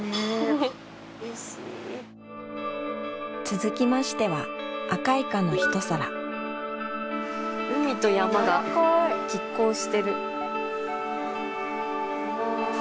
続きましては赤烏賊の一皿海と山が拮抗してる。